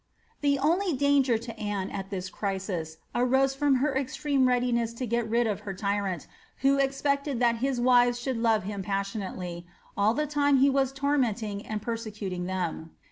* The only danger to Anne, at this crisis, arose from her extreme readi ness to get rid of her tyrant, who expected that his wives should love faim passionately, all the time he was tormenting and persecuting them.